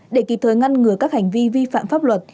để kịp thời ngăn ngừa các hành vi vi phạm pháp luật